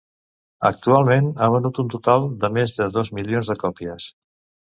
Actualment ha venut un total de més de dos milions de còpies.